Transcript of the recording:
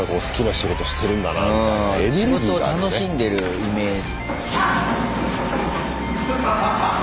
仕事を楽しんでるイメージ。